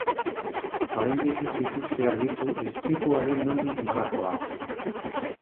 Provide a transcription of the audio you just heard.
Oraindik ez dituzte argitu istripuaren nondik norakoak.